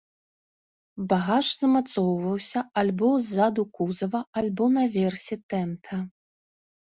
Багаж замацоўваўся альбо ззаду кузава, альбо на версе тэнта.